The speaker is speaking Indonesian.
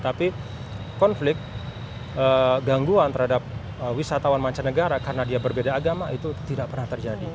tapi konflik gangguan terhadap wisatawan mancanegara karena dia berbeda agama itu tidak pernah terjadi